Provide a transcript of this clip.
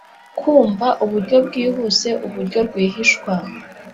kumva uburyo bwihuse uburyo rwihishwa